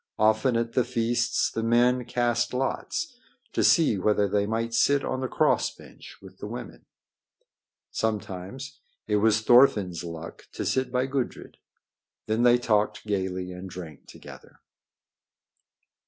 Often at the feasts the men cast lots to see whether they might sit on the cross bench with the women. Sometimes it was Thorfinn's luck to sit by Gudrid. Then they talked gaily and drank together.